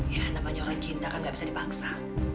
ya namanya orang cinta kan gak bisa dipaksa